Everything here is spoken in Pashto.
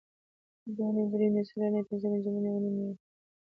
دونۍ درېنۍ څلرنۍ پینځنۍ جمعه اونۍ یونۍ